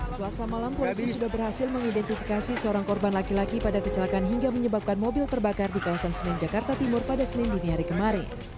selasa malam polisi sudah berhasil mengidentifikasi seorang korban laki laki pada kecelakaan hingga menyebabkan mobil terbakar di kawasan senin jakarta timur pada senin dini hari kemarin